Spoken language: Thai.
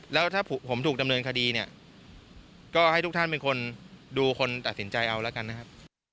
แล้วถ้าผมถูกดำเนินคดีเนี่ยก็ให้ทุกท่านเป็นคนดูคนตัดสินใจเอาแล้วกันนะครับ